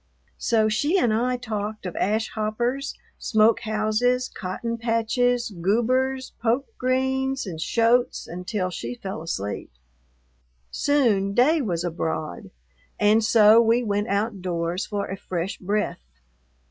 So she and I talked of ash hoppers, smoke houses, cotton patches, goobers, poke greens, and shoats, until she fell asleep. Soon day was abroad, and so we went outdoors for a fresh breath.